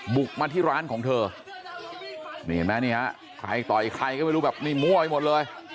บุกมาที่ร้านของเธอนี่เห็นไหมนี่ฮะใครต่อยใครก็ไม่รู้แบบนี้มั่วไปหมดเลย